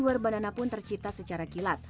logo i wear banana pun tercipta secara gilat